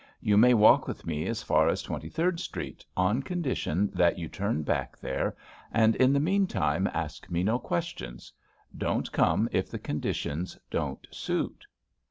you may walk with me as far as Twenty third Street, on condition that you turn back there, and in the meantime ask me no questions. Don't come if the conditions don't suit."